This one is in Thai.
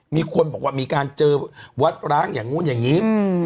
มีคนบอกว่ามีการเจอวัดร้างอย่างนู้นอย่างนี้